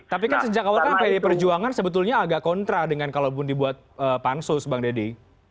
tapi kan sejak awal perjuangan sebetulnya agak kontra dengan kalau dibuat pansus bang deddy